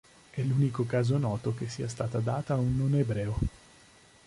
È l'unico caso noto che sia stata data a un non-ebreo.